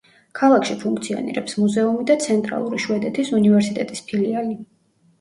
ქალაქში ფუნქციონირებს მუზეუმი და ცენტრალური შვედეთის უნივერსიტეტის ფილიალი.